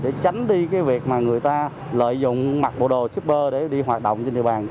để tránh đi việc người ta lợi dụng mặc bộ đồ shipper để đi hoạt động trên địa bàn